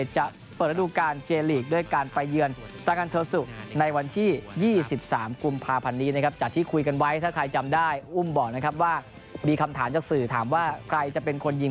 จะเปิดระดูกการเจลิก